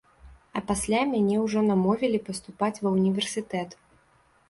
А пасля мяне ўжо намовілі паступаць ва ўніверсітэт.